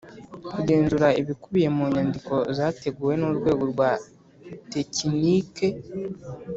Kugenzura ibikubiye mu nyandiko zateguwe n’Urwego rwa Tekinike